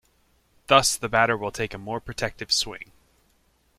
Thus the batter will take a more protective swing.